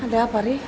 ada apa ri